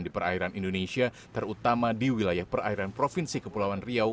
di perairan indonesia terutama di wilayah perairan provinsi kepulauan riau